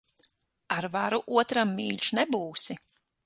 Ar varu otram mīļš nebūsi.